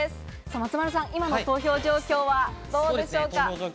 松丸さん、今の投票状況はどうでしょうか？